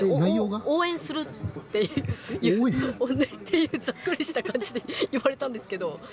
応援するっていう、応援っていうざっくりした感じで呼ばれたんですけど。